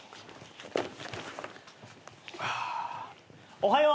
おはよう。